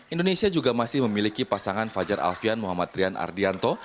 indonesia juga masih memiliki pasangan fajar alfian muhammad rian ardianto